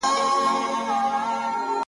چي دولت لرې ښاغلی یې هرچا ته,